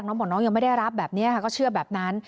บอกน้องยังไม่ได้รับแบบนี้ค่ะก็เชื่อแบบนั้น